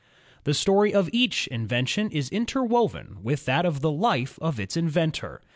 The story of each invention is interwoven with that of the life of its inventor.